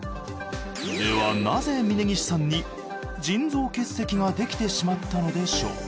ではなぜ峯岸さんに腎臓結石ができてしまったのでしょう？